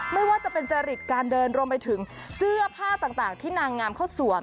ไม่ว่าจะเป็นจริตการเดินรวมไปถึงเสื้อผ้าต่างที่นางงามเขาสวม